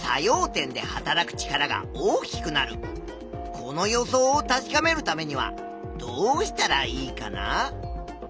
この予想を確かめるためにはどうしたらいいかな？